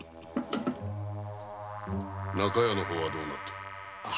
中屋の方はどうなっておる？